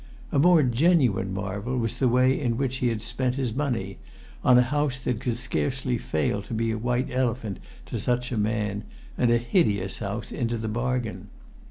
A more genuine marvel was the way in which he had[Pg 13] spent his money, on a house that could scarcely fail to be a white elephant to such a man, and a hideous house into the bargain.